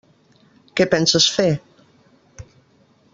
Què penses fer?